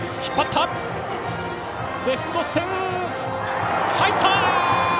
レフト線、入った！